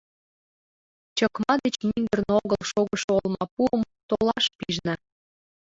Чыкма деч мӱндырнӧ огыл шогышо олмапуым толаш пижна.